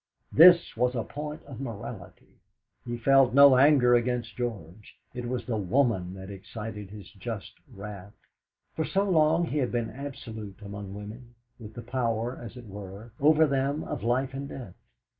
This was a point of morality. He felt no anger against George; it was the woman that excited his just wrath. For so long he had been absolute among women, with the power, as it were, over them of life and death.